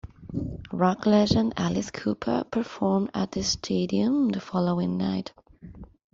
Rock legend Alice Cooper performed at the stadium the following night.